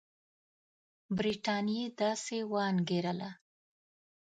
برټانیې داسې وانګېرله.